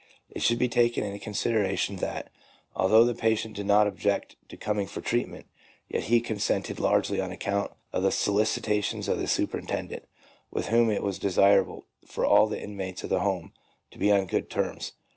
It should be taken into consideration that although the patient did not object to coming for treatment, yet he consented largely on account of the solicitations of the superintendent, with whom it was desirable for all the inmates of the Home to be on good terms.